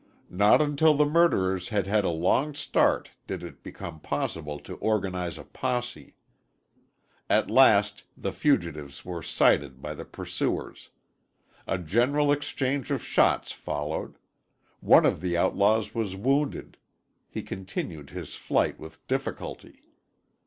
Not until the murderers had had a long start did it become possible to organize a posse. At last the fugitives were sighted by the pursuers. A general exchange of shots followed. One of the outlaws was wounded. He continued his flight with difficulty.